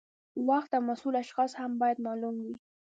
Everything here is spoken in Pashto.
وخت او مسؤل اشخاص هم باید معلوم وي.